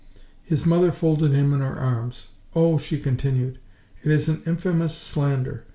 His mother folded him in her arms. "Oh!" she continued, "it is an infamous slander!